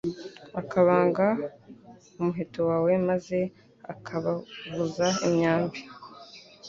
ukabanga umuheto wawe maze ukabavuza imyambi